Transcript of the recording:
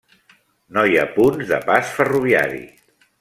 No hi ha punts de pas ferroviari.